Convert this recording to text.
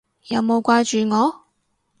有冇掛住我？